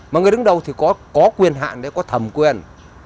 mà người đứng đầu thì có quyền hạn đấy có thầm quyền